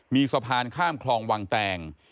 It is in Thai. มีสะพานข้ามคลองวังแตง